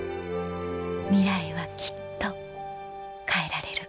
ミライはきっと変えられる